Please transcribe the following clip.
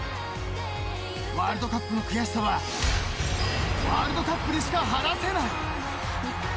ワールドカップの悔しさはワールドカップでしか晴らせない。